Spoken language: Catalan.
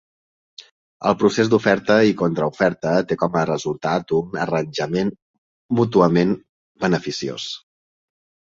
El procés d'oferta i contraoferta té com a resultat un arranjament mútuament beneficiós.